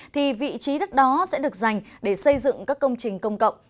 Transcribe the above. thì vị trí đất đó sẽ được dành để xây dựng các công trình công cộng